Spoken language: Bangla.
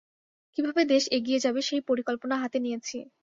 কীভাবে দেশ এগিয়ে যাবে, সেই পরিকল্পনা হাতে নিয়েছি।